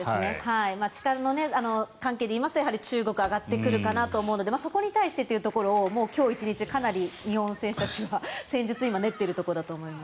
力の関係でいいますとやはり中国が上がってくるかなと思いますのでそこに対してというところを今日１日、かなり日本選手たちは戦術を今練っているところだと思います。